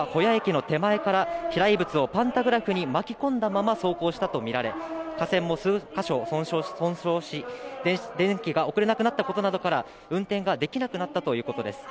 電車は保谷駅の手前から飛来物をパンタグラフに巻き込んだまま走行したとみられ、架線も数か所損傷し、電気が送れなくなったことなどから運転ができなくなったということです。